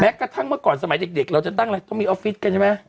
กระทั่งเมื่อก่อนสมัยเด็กเราจะตั้งอะไรต้องมีออฟฟิศกันใช่ไหม